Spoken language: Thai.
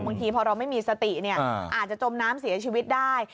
บางทีพอเราไม่มีสติอาจจะจมน้ำเสียชีวิตได้